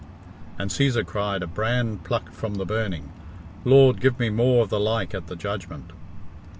And Cæsar cried, "A brand plucked from the burning! Lord, give me more of the like at the judgment."